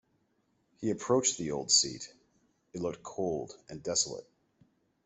He approached the old seat; it looked cold and desolate.